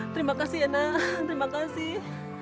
terima kasih enak terima kasih